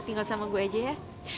tinggal sama gue aja ya